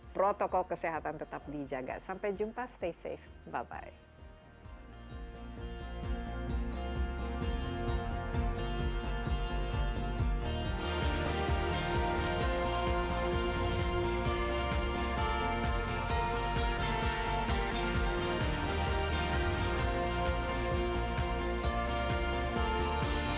protokol kesehatan tetap dijaga sampai jumpa stay safe bye bye